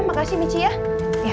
makasih mecih ya